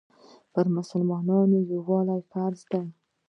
پر مسلمانانو یووالی فرض دی.